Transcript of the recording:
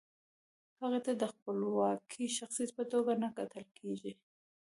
هغې ته د خپلواک شخص په توګه نه کتل کیږي.